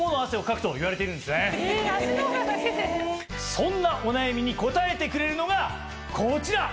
そんなお悩みに答えてくれるのがこちら！